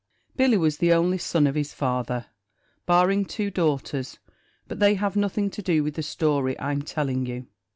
Billy was the only son of his father, barring two daughters; but they have nothing to do with the story I'm telling you.